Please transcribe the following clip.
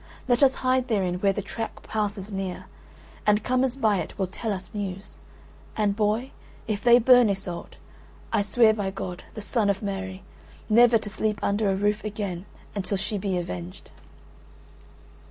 Let us hide therein where the track passes near, and comers by it will tell us news; and, boy, if they burn Iseult, I swear by God, the Son of Mary, never to sleep under a roof again until she be avenged."